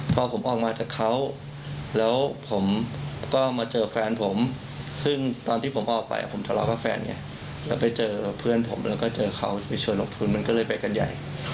พอผมออกมาจากเขาแล้วผมก็มาเจอแฟนผมซึ่งตอนที่ผมออกไปผมทะเลาะกับแฟนไงแล้วไปเจอเพื่อนผมแล้วก็เจอเขาไปชวนลงทุนมันก็เลยไปกันใหญ่